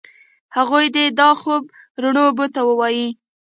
هغوی دي دا خوب روڼو اوبو ته ووایي